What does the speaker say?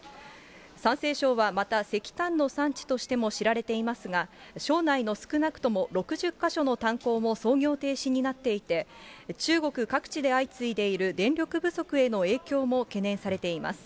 山西省はまた、石炭の産地としても知られていますが、省内の少なくとも６０か所の炭鉱も操業停止になっていて、中国各地で相次いでいる電力不足への影響も懸念されています。